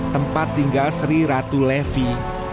tempat tinggal sri ratu levi